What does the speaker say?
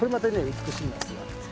美しいんですよ。